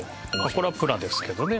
これはプラですけどね